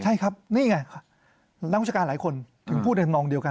ใช่ครับนี่ไงนางกุศกาลหลายคนถึงพูดในทางนองเดียวกัน